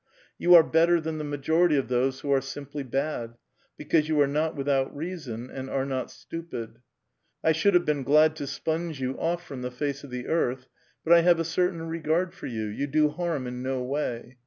Yon are better than Trhe majority of those who are simply bad, because you are ^ot without reason and are not stupid. I should have been ^lad to sponge you off from the face of the earth, but I have 5^ certain reorard for von : vou do harm in no wav.